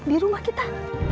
di rumah kita